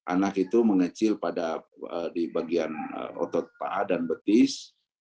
anak itu mengecil pada di bagian otot paha dan betis